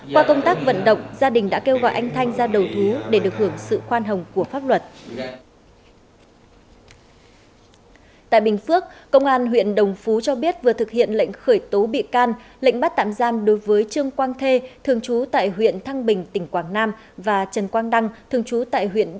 qua công tác vận động gia đình đã kêu gọi anh thanh ra đầu thú để được hưởng sự khoan hồng của pháp luật